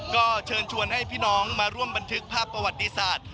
ก็เชิญชวนให้พี่น้องมาร่วมบันทึกภาพประวัติศาสตร์